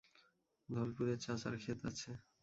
ধোলপুরে চাচার ক্ষেত আছে।